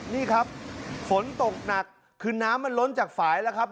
นี่ครับฝนตกหนักคือน้ำมันล้นจากฝ่ายแล้วครับ